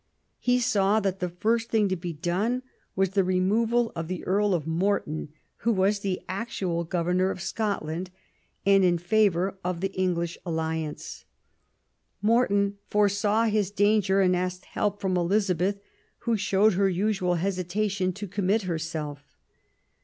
He saw that the first thing to be done was the removal of the Earl of Morton, who was the actual governor of Scotland, and in favour of the English alliance. Morton foresaw his danger and asked help from Elizabeth, who showed her usual hesitation to commit herself.